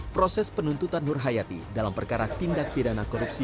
proses penuntutan nur hayati dalam perkara tindak pidana korupsi